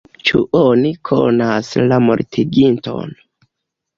Ĉu oni konas la mortiginton?